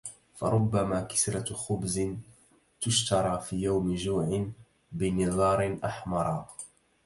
فربما كِسرةُ خبز تشترى في يوم جوع بنظار أحمرا